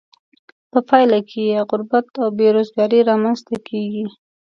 په پایله کې یې غربت او بې روزګاري را مینځ ته کیږي.